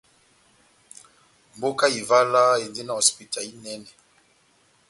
Mboka ya Ivala endi na hosipita inɛnɛ.